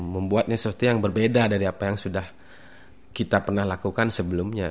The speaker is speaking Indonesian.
membuatnya sesuatu yang berbeda dari apa yang sudah kita pernah lakukan sebelumnya